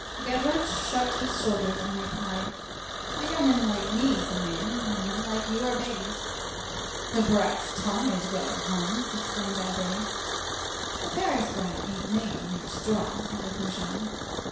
Gavroche shrugged his shoulders, and replied:— "A young 'un like me's a man, and men like you are babes." "The brat's tongue's well hung!" exclaimed Babet. "The Paris brat ain't made of straw," added Brujon.